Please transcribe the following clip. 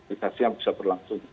inisiasi yang bisa berlangsung